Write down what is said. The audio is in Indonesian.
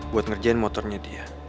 buat ngerjain motornya dia